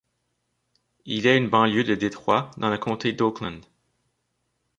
Il est une banlieue de Détroit, dans le comté d'Oakland.